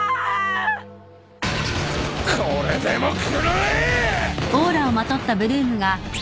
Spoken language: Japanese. これでも食らえ！